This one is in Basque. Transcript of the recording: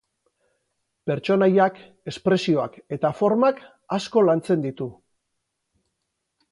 Pertsonaiak, espresioak eta formak asko lantzen ditu.